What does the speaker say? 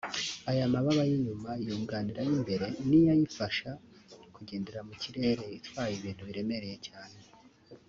Aya mababa y'inyuma yunganira ay'imbere niyo ayifasha kugendera mu kirere itwaye ibintu biremereye cyane